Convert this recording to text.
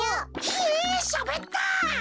ひえしゃべった！